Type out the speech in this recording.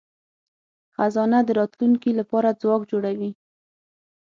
خزانه د راتلونکي لپاره ځواک جوړوي.